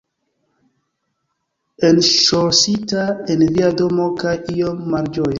enŝlosita en via domo kaj iom malĝoja